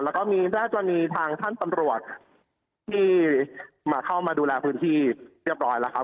แล้วก็มีราชกรณีทางท่านตำรวจที่มาเข้ามาดูแลพื้นที่เรียบร้อยแล้วครับ